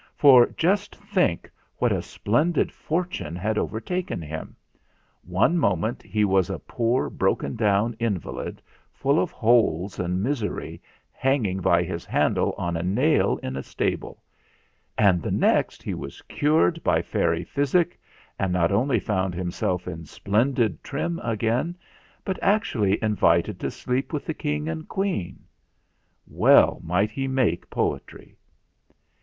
For just think what a splendid fortune had overtaken him! One moment he was a poor broken down invalid, full of holes and misery, hanging by his handle on a nail in a stable ; and the next he was cured by fairy physic, and not only found himself in splendid trim again, but actually invited to sleep with the King and Queen. Well might he make poetry!